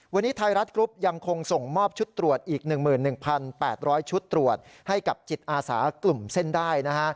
วันนี้ไทยรัฐกรุ๊ปยังคงส่งมอบชุดตรวจอีก๑๑๘๐๐ชุดตรวจให้กับจิตอาสากลุ่มเส้นได้นะฮะ